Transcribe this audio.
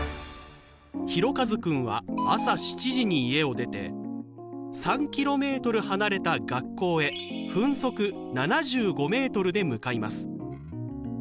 ひろかずくんは朝７時に家を出て３ｋｍ離れた学校へ分速７５ｍで向かいます。